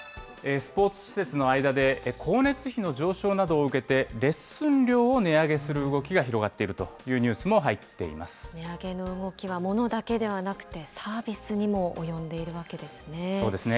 スポーツ施設の間で光熱費の上昇などを受けて、レッスン料を値上げする動きが広がっているというニュースも入っ値上げの動きはモノだけではなくて、サービスにも及んでいるわけですね。